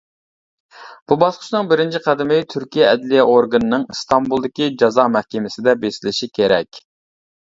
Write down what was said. بۇ باسقۇچىنىڭ بىرىنچى قەدىمى تۈركىيە ئەدلىيە ئورگىنىنىڭ ئىستانبۇلدىكى جازا مەھكىمىسىدە بېسىلىشى كېرەك.